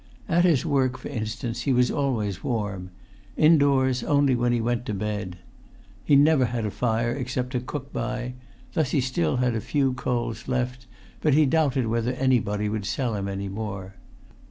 At his work, for instance, he was always warm; indoors, only when he went to bed. He never had a fire, except to cook by; thus he still had a few coals left, but he doubted whether anybody would sell him any more.